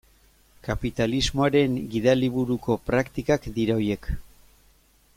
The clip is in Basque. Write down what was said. Kapitalismoaren gidaliburuko praktikak dira horiek.